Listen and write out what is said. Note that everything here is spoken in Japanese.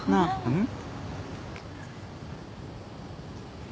うん？